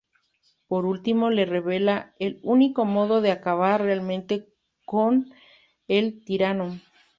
Por último le revela el único modo de acabar realmente con el Tirano.